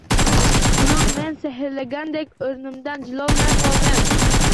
Biroq men sehrlangandek o‘rnimdan jilolmay qoldim.